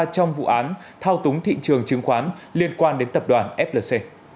trong vụ án thao túng thị trường chứng khoán liên quan đến tập đoàn flc